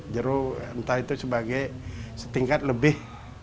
jeruk entah itu sebagai setingkat lebih